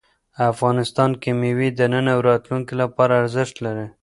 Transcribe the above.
افغانستان کې مېوې د نن او راتلونکي لپاره ارزښت لري.